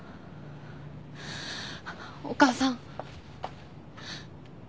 お母さん。